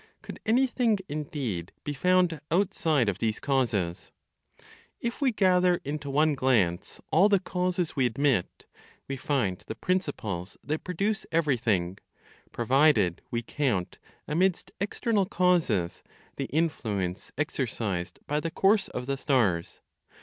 Could anything, indeed, be found outside of these causes? If we gather into one glance all the causes we admit, we find the principles that produce everything, provided we count, amidst external causes, the influence exercised by the course of the stars.